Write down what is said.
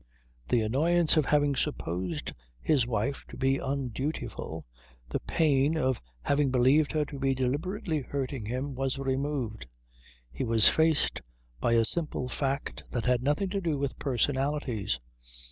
The annoyance of having supposed his wife to be undutiful, the pain of having believed her to be deliberately hurting him, was removed. He was faced by a simple fact that had nothing to do with personalities.